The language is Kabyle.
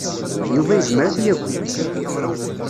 Yuba yezmer ad yagi.